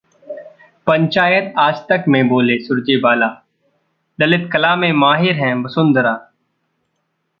पंचायत आजतक में बोले सुरजेवाला- 'ललित कला' में माहिर हैं वसुंधरा